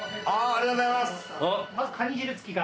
ありがとうございます。